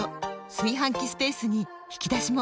炊飯器スペースに引き出しも！